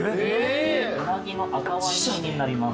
うなぎの赤ワイン煮になります。